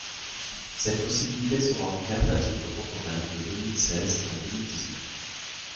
Cette possibilité sera offerte à titre temporaire de deux mille seize à deux mille dix-neuf.